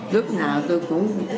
lúc nào tôi cũng